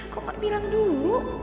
kok gak bilang dulu